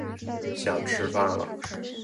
想吃饭了就跟我说